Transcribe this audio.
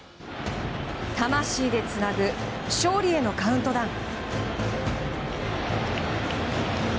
魂でつなぐ勝利へのカウントダウン。